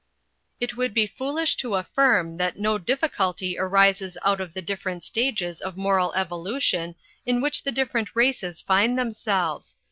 "It would be foolish to affirm that no difficulty arises out of the different stages of moral evolution in which the different races find themselves.